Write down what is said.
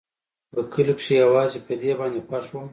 په کلي کښې يوازې په دې باندې خوښ وم.